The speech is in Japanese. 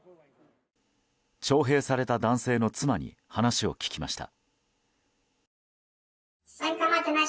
徴兵された男性の妻に話を聞きました。